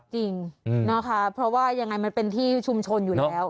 จริงนะคะเพราะว่ายังไงมันเป็นที่ชุมชนอยู่แล้ว